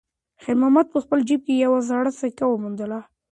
خیر محمد په خپل جېب کې یوه زړه سکه وموندله.